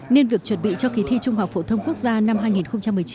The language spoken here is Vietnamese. nên việc chuẩn bị cho kỳ thi trung học phổ thông quốc gia năm hai nghìn một mươi chín